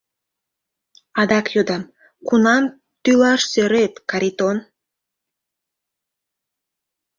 Адак йодам: кунам тӱлаш сӧрет, Каритон?